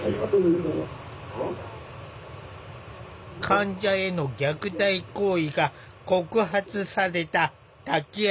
患者への虐待行為が告発された滝山病院。